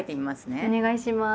お願いします。